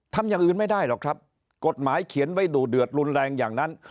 ทำอย่างอื่นไม่ได้หรอกครับกฎหมายเขียนไว้ดูเดือดรุนแรงอย่างนั้น